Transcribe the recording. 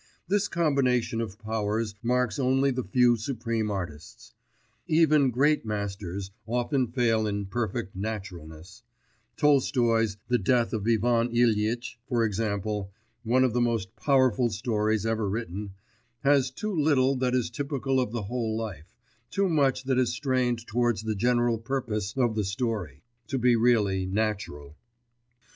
This combination of powers marks only the few supreme artists. Even great masters often fail in perfect naturalness: Tolstoi's The Death of Ivan Ilytch, for example, one of the most powerful stories ever written, has too little that is typical of the whole of life, too much that is strained towards the general purpose of the story, to be really natural.